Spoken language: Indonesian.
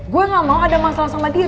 gue gak mau ada masalah sama dia